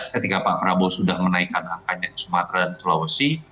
dua ribu sembilan belas ketika pak prabowo sudah menaikkan angkanya di sumatera dan sulawesi